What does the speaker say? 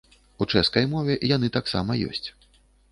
У чэшскай мове яны таксама ёсць.